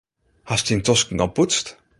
Hast dyn tosken al poetst?